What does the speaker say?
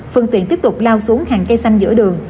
phương tiện tiếp tục lao xuống hàng cây xanh giữa đường